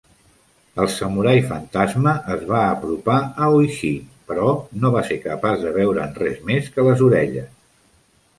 Els samurai fantasma es va apropar a Hoichi però no va ser capaç de veure'n res més que les orelles.